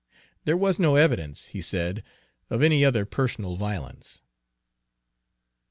There was no evidence, he said, of any other personal violence.